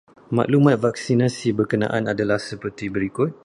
Maklumat vaksinasi berkenaan adalah seperti berikut.